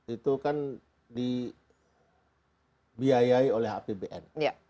itu kan dibiayai oleh apbn